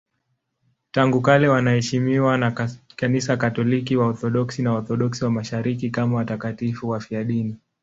Tangu kale wanaheshimiwa na Kanisa Katoliki, Waorthodoksi na Waorthodoksi wa Mashariki kama watakatifu wafiadini.